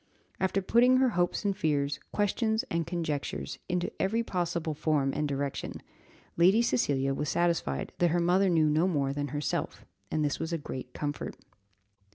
After putting her hopes and fears, questions and conjectures, into every possible form and direction, Lady Cecilia was satisfied that her mother knew no more than herself, and this was a great comfort.